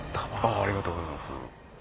ありがとうございます。